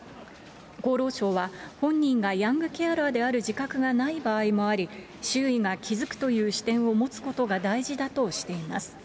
厚労省は、本人がヤングケアラーである自覚がない場合もあり、周囲が気づくという視点を持つことが大事だとしています。